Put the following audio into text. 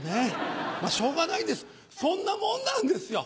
まぁしょうがないんですそんなもんなんですよ。